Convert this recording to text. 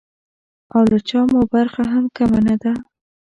او له چا مو برخه هم کمه نه ده.